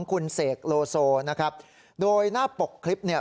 คุณเสกโลโซนะครับโดยหน้าปกคลิปเนี่ย